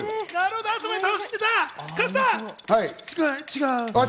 違う。